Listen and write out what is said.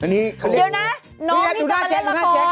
เดี๋ยวนะน้องนี่กำลังเล่นละคร